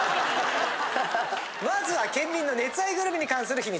まずは県民の熱愛グルメに関する秘密。